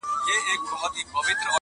زما پر سونډو یو غزل عاشقانه یې